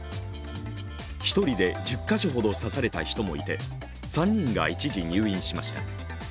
１人で１０か所ほど刺された人もいて３人が一時入院しました。